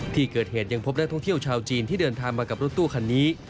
ที่เกิดเหตุยังพบนักท่องเที่ยวชาวจีนที่เดินทางมากับรถตู้คันนี้